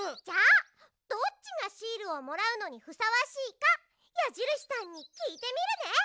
じゃあどっちがシールをもらうのにふさわしいかやじるしさんにきいてみるね！